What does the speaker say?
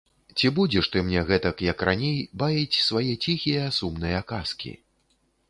Ці будзеш ты мне гэтак, як раней, баіць свае ціхія, сумныя казкі?